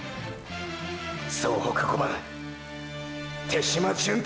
総北５番手嶋純太！！